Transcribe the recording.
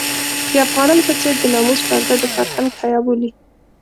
د افغانانو په څېر د ناموس پرده د فرهنګ حيا بولي.